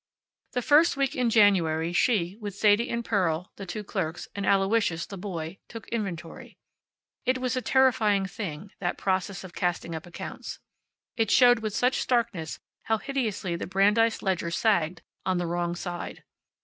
The first week in January she, with Sadie and Pearl, the two clerks, and Aloysius, the boy, took inventory. It was a terrifying thing, that process of casting up accounts. It showed with such starkness how hideously the Brandeis ledger sagged on the wrong side.